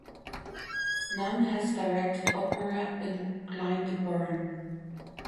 Nunn has directed opera at Glyndebourne.